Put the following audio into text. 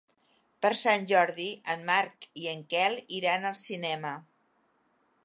Per Sant Jordi en Marc i en Quel iran al cinema.